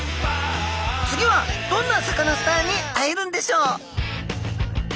次はどんなサカナスターに会えるんでしょう。